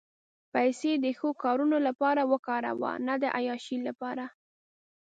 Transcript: پېسې د ښو کارونو لپاره وکاروه، نه د عیاشۍ لپاره.